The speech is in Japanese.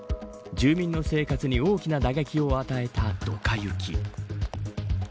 住民の生活に大きな打撃を与えたドカ雪。